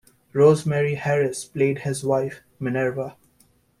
Rosemary Harris played his wife, Minerva.